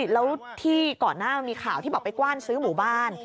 แล้วที่ก่อนหน้ามันมีข่าวที่บอกไปกว้านซื้อหมู่บ้าน